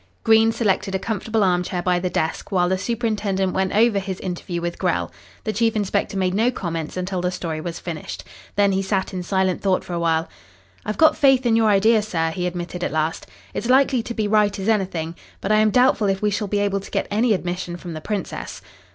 Green selected a comfortable arm chair by the desk, while the superintendent went over his interview with Grell. The chief inspector made no comments until the story was finished. Then he sat in silent thought for a while. "I've got faith in your idea, sir," he admitted at last. "It's likely to be right as anything. But I am doubtful if we shall be able to get any admission from the Princess."